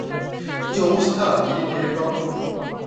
কী অবস্থা, Billy Drayton?